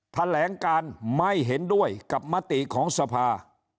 แถลงการไม่เห็นด้วยกับมติของสภา